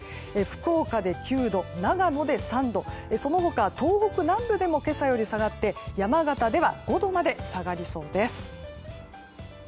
福岡で９度、長野で３度その他、東北南部でも今朝より下がって山形では５度まで下がりそうです。